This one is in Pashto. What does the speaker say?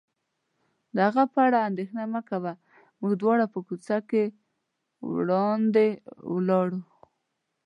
د هغه په اړه اندېښنه مه کوه، موږ دواړه په کوڅه کې وړاندې ولاړو.